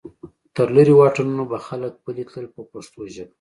تر لرې واټنونو به خلک پلی تلل په پښتو ژبه.